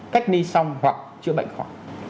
cách ni xong hoặc chữa bệnh khỏi